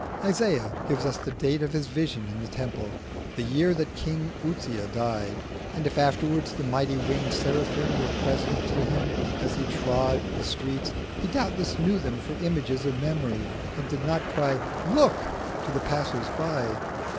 Isaiah gives us the date of his vision in the Temple "the year that King Uzziah died" and if afterwards the mighty winged seraphim were present with him as he trod the street, he doubtless knew them for images of memory, and did not cry "Look!" to the passers by.